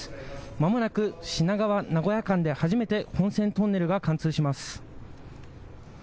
まもなく品川・名古屋間で初めて本線トンネルが貫通します。